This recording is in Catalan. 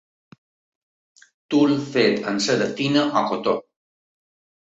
Tul fet amb seda fina o cotó.